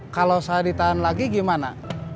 kalau saya ditahan lagi gimana